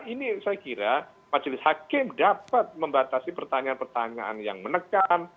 ini saya kira majelis hakim dapat membatasi pertanyaan pertanyaan yang menekan